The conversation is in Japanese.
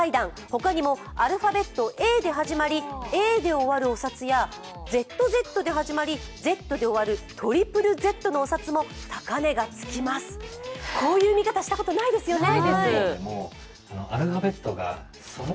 ほかにもアルファベットＡで始めりＡで終わるお札やＺＺで始まり、Ｚで終わるトリプルＺのお札も高値がつきます、こういう見方したことないですよね。